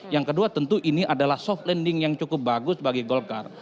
yang kedua tentu ini adalah soft landing yang cukup bagus bagi golkar